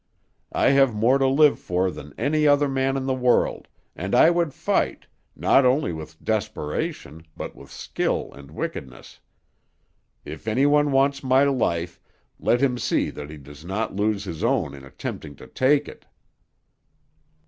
I have more to live for than any other man in the world, and I would fight, not only with desperation, but with skill and wickedness. If any one wants my life, let him see that he does not lose his own in attempting to take it."